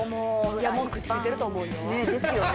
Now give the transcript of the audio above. もうくっついてると思うよですよね